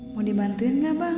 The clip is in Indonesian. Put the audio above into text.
mau dibantuin gak bang